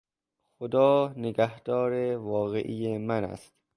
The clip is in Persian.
خدا نگهدار واقعی من است.